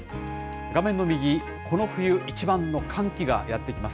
画面の右、この冬一番の寒気がやって来ます。